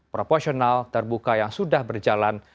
proporsional terbuka yang sudah berjalan